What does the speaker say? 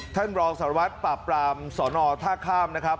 ท่านบรทสารวัฏปราบปร่ามสอนอถ้ากล้ามนะครับ